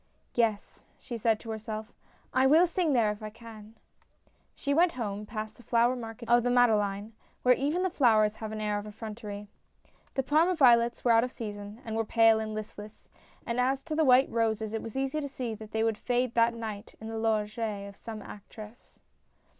" Yes," she said to herself, " I will sing there if I can." She went home, past the flower market of the Made leine, where even the flowers have an air of effrontery. The Parma violets were out of season, and were pale and listless, and as to the white roses it was easy to see that they would fade that night in the loge of some actress.